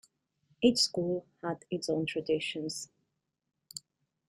Each school had its own traditions.